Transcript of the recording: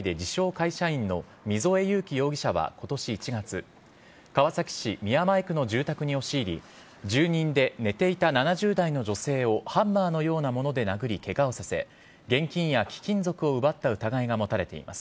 会社員の、溝江ゆうき容疑者はことし１月、川崎市宮前区の住宅に押し入り、住人で寝ていた７０代の女性を、ハンマーのようなもので殴り、けがをさせ、現金や貴金属を奪った疑いが持たれていま